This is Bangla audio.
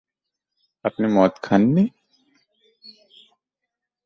আপনি মদ খান নি?